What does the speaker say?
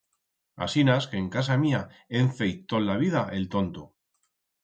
Asinas que en casa mía hem feit tot la vida el tonto.